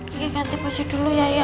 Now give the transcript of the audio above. gigi ganti baju dulu yaya